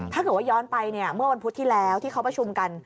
ถ้าเกิดว่าย้อนไปเนี่ยเมื่อวันพุธที่แล้วที่เขาประชุมกัน